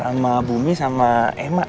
sama bumi sama emma